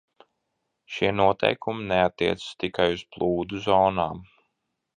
Šie noteikumi neattiecas tikai uz plūdu zonām.